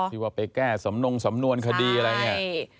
คือว่าไปแก้สำนวนคดีอะไรอย่างนี้